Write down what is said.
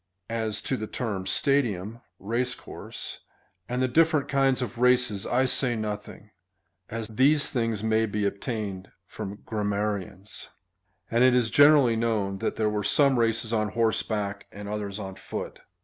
As to the term stadium, (race course,) and the diiferent kinds of races,^ I say nothing, as these things may be obtained from grammarians, and it is generally known that there were some races on horseback, and others on foot.